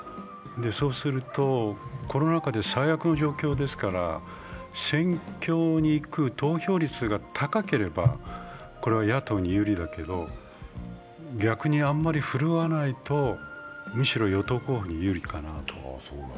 そうすると、コロナ禍で最悪の状況ですから選挙に行く投票率が高ければ野党に有利だけど、逆にあんまり振るわないと、むしろ与党候補が有利かなと。